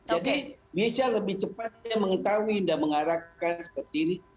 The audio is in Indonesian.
jadi bisa lebih cepatnya mengetahui dan mengarahkan seperti ini